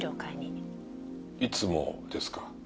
いつもですか？